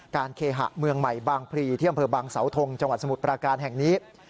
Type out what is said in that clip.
การเขหะเมืองใหม่บางพรีเที่ยงบางเศาธงจังหวัดสมุทรปราการแห่งนี้